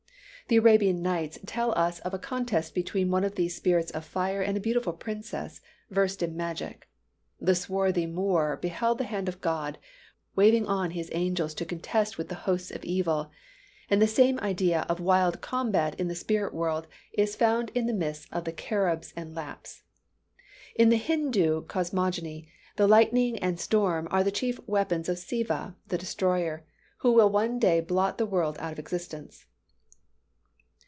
The Arabian Nights tell us of a contest between one of these spirits of fire and a beautiful princess, versed in magic. The swarthy Moor beheld the hand of God, waving on his angels to contest with the hosts of evil: and the same idea of wild combat in the spirit world is found in the myths of the Caribs and Lapps. In the Hindoo cosmogony, the lightning and storm are the chief weapons of Siva, the destroyer, who will one day blot the world out of existence.